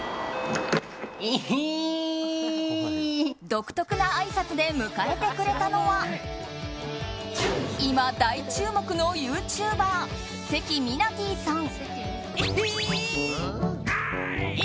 独特なあいさつで迎えてくれたのは今、大注目のユーチューバー関ミナティさん。